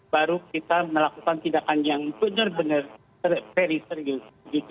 baru kita melakukan tindakan yang benar benar serius